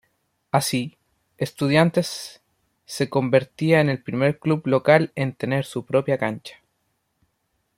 Así, Estudiantes se convertía en el primer club local en tener su propia cancha.